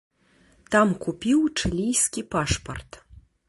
Там купіў чылійскі пашпарт.